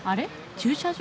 駐車場？